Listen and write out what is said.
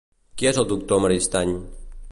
Qui és el doctor Maristany?